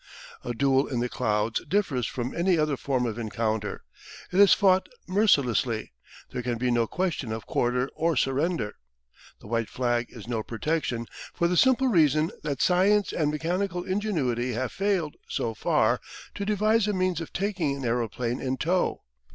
A duel in the clouds differs from any other form of encounter. It is fought mercilessly: there can be no question of quarter or surrender. The white flag is no protection, for the simple reason that science and mechanical ingenuity have failed, so far, to devise a means of taking an aeroplane in tow.